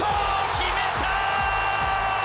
決めた！